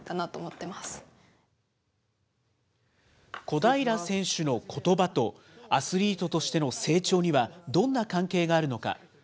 小平選手のことばと、アスリートとしての成長には、どんな関係があるのか。